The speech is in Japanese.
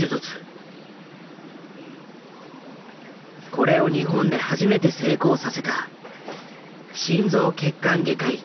これを日本で初めて成功させた心臓血管外科医渡邊剛。